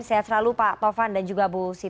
sehat selalu pak tovan dan juga bu siti